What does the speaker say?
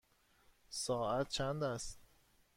ساعت چند است؟